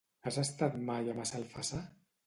Has estat mai a Massalfassar?